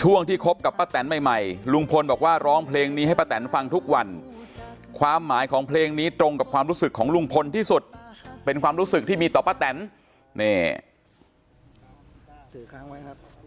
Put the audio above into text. ช่วงที่คบกับป้าแตนใหม่ลุงพลบอกว่าร้องเพลงนี้ให้ป้าแตนฟังทุกวันความหมายของเพลงนี้ตรงกับความรู้สึกของลุงพลที่สุดเป็นความรู้สึกที่มีต่อป้าแตนนี่ครับ